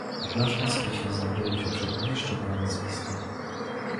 "W naszym spisie znajdują się przed nim jeszcze dwa nazwiska."